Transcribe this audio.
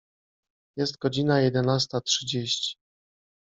Jest godzina jedenasta trzydzieści.